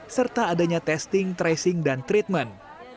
serta adanya testing tracing dan treatment